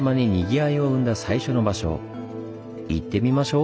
行ってみましょう！